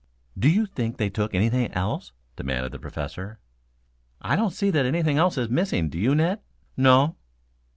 "Do you think they took anything else?" demanded the Professor. "I don't see that anything else is missing, do you, Ned?" "No."